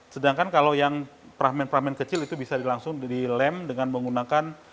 sedangkan kalau yang fragment fragment kecil itu bisa langsung di lem dengan menggunakan